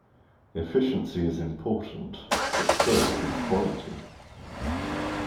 Efficiency is important, but so is quality.